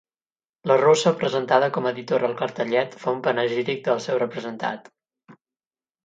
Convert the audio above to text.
La rossa, presentada com a editora al cartellet, fa un panegíric del seu representat.